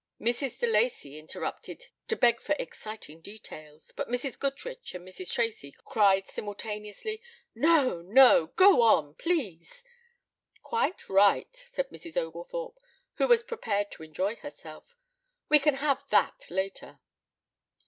Mrs. de Lacey interrupted to beg for exciting details, but Mrs. Goodrich and Mrs. Tracy cried simultaneously: "No! No! Go on please!" "Quite right," said Mrs. Oglethorpe, who was prepared to enjoy herself. "We can have that later."